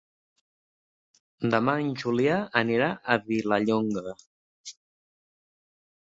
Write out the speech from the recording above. Demà en Julià anirà a Vilallonga.